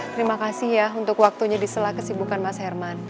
terima kasih ya untuk waktunya diselah kesibukan mas herman